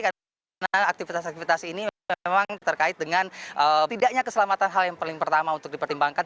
karena aktivitas aktivitas ini memang terkait dengan tidaknya keselamatan hal yang paling pertama untuk dipertimbangkan